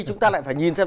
chúng ta lại phải nhìn xem